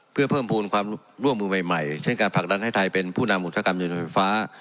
เพื่อเพิ่มภูมิความร่วมมือใหม่เช่นการผลักดันให้ไทยเป็นผู้นำอุตสาหกรรมยนต์ไฟฟ้า